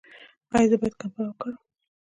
ایا زه باید کمپله وکاروم؟